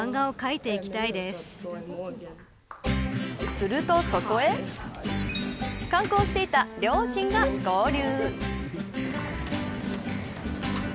すると、そこへ観光していた両親が合流。